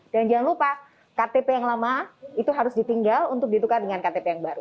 dan jangan lupa ktp yang lama itu harus ditinggal untuk ditukar dengan ktp yang baru